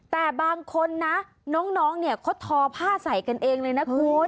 แต่บางคนนะน้องเนี่ยเขาทอผ้าใส่กันเองเลยนะคุณ